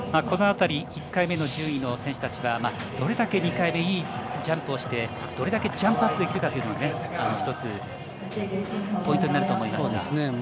この辺り１回目の順位の選手たちはどれだけ２回目いいジャンプをしてどれだけジャンプアップできるかというのも１つポイントになると思いますが。